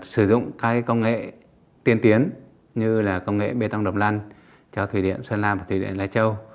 sử dụng các công nghệ tiên tiến như là công nghệ bê tông độc lăn cho thủy điện sơn la và thủy điện lai châu